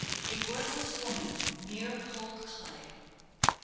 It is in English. "A WORTHLESS WOMAN, MERE COLD CLAY."